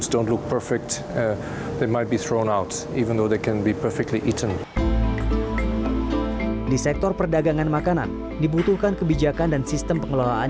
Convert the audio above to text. di sektor perdagangan makanan dibutuhkan kebijakan dan sistem pengelolaan